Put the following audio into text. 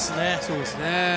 そうですね。